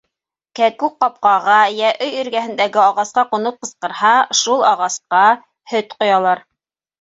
Кәкүк ҡапҡаға, йә өй эргәһендәге ағасҡа ҡунып ҡысҡырһа, шул ағасҡа һөт ҡоялар.